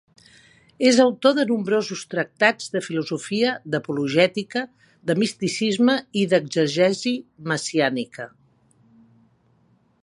És autor de nombrosos tractats de filosofia, d'apologètica, de misticisme i d'exegesi messiànica.